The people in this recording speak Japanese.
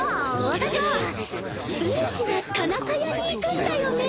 私はうるしは田中屋に行くんだよね